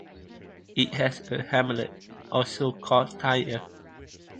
It has a hamlet, also called Tyre.